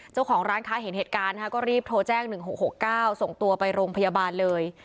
เจ้าของร้านค้าเห็นเหตุการณ์ก็รีบโทรแจ้ง๑๖๖๙ส่งตัวไปโรงพยาบาลเลย